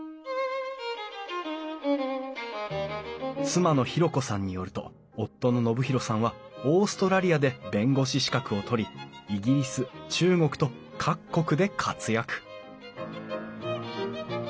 妻の裕子さんによると夫の信博さんはオーストラリアで弁護士資格を取りイギリス中国と各国で活躍！